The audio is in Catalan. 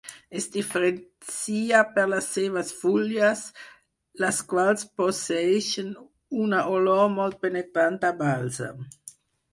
Es diferencia per les seves fulles, les quals posseeixen una olor molt penetrant a bàlsam.